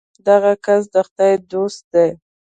دغه کس د خدای دوست دی.